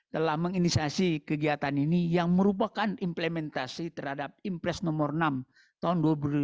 telah menginisiasi kegiatan ini yang merupakan implementasi terhadap impres nomor enam tahun dua ribu lima belas